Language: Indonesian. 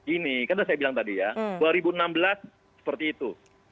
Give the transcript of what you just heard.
ini kan sudah saya bilang tadi ya dua ribu enam belas seperti itu